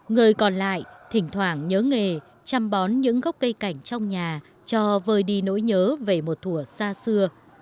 người còn lại thỉnh thoảng nhớ nghề chăm bón những gốc cây cảnh trong nhà cho vơi đi nỗi nhớ về một thủa xa xưa